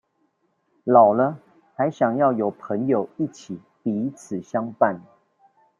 老了還想要有朋友一起彼此相伴